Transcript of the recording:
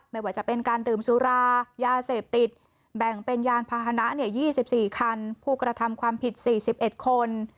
ไม่ว่าจะเป็นการดื่มสุรายาเสพติดแบ่งเป็นยานพาหนะ๒๔คันผู้กระทำความผิด๔๑คน